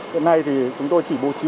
hiện nay thì chúng tôi chỉ bố trí